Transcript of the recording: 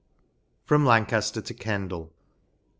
FROM LANCASTER TO KENDAL.